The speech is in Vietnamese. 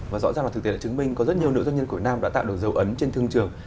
và rõ ràng là thực tế đã chứng minh có rất nhiều nữ doanh nhân của nam đã tạo được dấu ấn trên thương trường